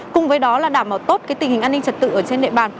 cùng với đó là đảm bảo tốt tình hình an ninh trật tự ở trên địa bàn